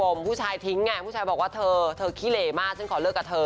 ผมผู้ชายทิ้งไงผู้ชายบอกว่าเธอเธอขี้เหลมากฉันขอเลิกกับเธอ